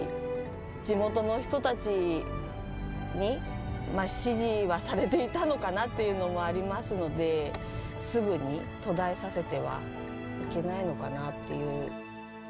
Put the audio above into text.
地元の人たちに支持はされていたのかなっていうのもありますので、すぐに途絶えさせてはいけないのかなっていう。